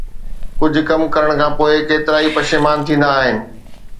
ڪجھ ڪم ڪرڻ کان پوءِ ڪيترائي پشيمان ٿيندا آھن